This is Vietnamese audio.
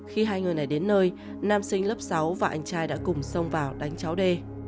khi hai người này đến nơi nam sinh lớp sáu và anh trai đã cùng xông vào đánh cháu đê